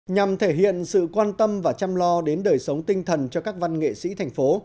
nhằm thể hiện sự quan tâm và chăm lo đến đời sống tinh thần cho các văn nghệ sĩ thành phố